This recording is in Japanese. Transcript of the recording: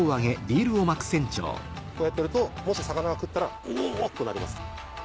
こうやってるともし魚が食ったらうおっ！となります。